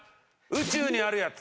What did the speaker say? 宇宙にあるやつ。